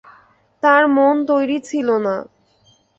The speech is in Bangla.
তার মন তৈরি ছিল না।